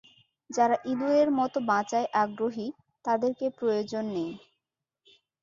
যারা ইঁদুরের মতো বাঁচায় আগ্রহী, তাদেরকে প্রয়োজন নেই।